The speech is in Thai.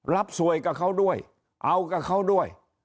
รับสวยกับเขาด้วยเอากับเขาด้วย